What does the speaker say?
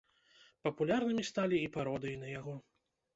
Папулярнымі сталі і пародыі на яго.